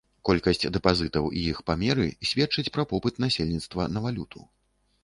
Колькасць дэпазітаў і іх памеры сведчаць пра попыт насельніцтва на валюту.